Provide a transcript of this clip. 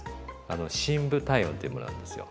あの深部体温っていうものなんですよ。